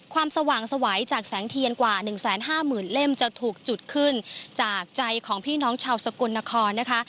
ความสว่างสวัยจากแสงเทียนกว่า๑๕๐๐๐เล่มจะถูกจุดขึ้นจากใจของพี่น้องชาวสกลนครนะคะ